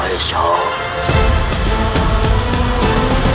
tidak ada apa apa